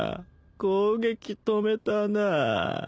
攻撃止めたなぁ。